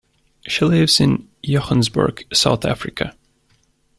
She lives in Johannesburg, South Africa.